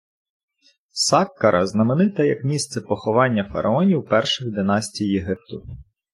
Саккара знаменита як місце поховання фараонів перших династій Єгипту.